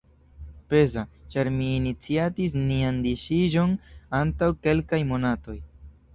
Peza, ĉar mi iniciatis nian disiĝon antaŭ kelkaj monatoj.